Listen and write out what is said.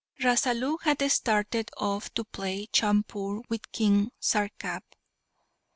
Rasalu had started off to play chaupur with King Sarkap.